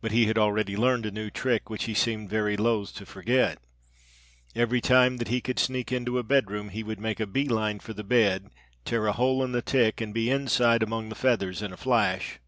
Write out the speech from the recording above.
"But he had already learned a new trick which he seemed very loth to forget. Every time that he could sneak into a bedroom he would make a bee line for the bed, tear a hole in the tick and be inside among the feathers in a flash.